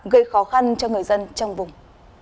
gây khó khăn cho người dân trong vùng